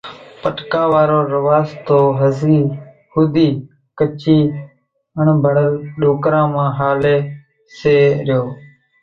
پٽڪا وارو رواز تو هزِي ۿوُڌِي ڪڇِي اڻڀڻل ڏوڪران مان هاليَ سي ريو۔